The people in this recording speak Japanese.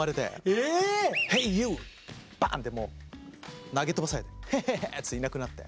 ええ⁉バーンってもう投げ飛ばされてへへへっていなくなって。